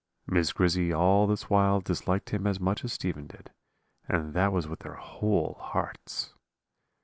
"Miss Grizzy all this while disliked him as much as Stephen did, and that was with their whole hearts.